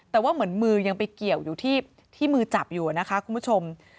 แต่ว่าเหมือนมือยังไปเกี่ยวอยู่ที่มือจับอยู่นะคะคุณผู้ชม